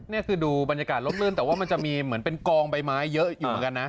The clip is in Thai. นี่คือดูบรรยากาศล้นแต่ว่ามันจะมีเหมือนเป็นกองใบไม้เยอะอยู่เหมือนกันนะ